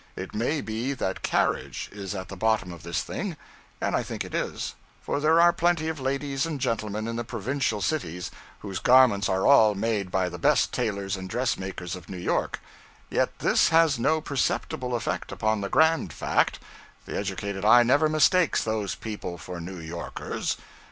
It may be that _carriage _is at the bottom of this thing; and I think it is; for there are plenty of ladies and gentlemen in the provincial cities whose garments are all made by the best tailors and dressmakers of New York; yet this has no perceptible effect upon the grand fact: the educated eye never mistakes those people for New Yorkers.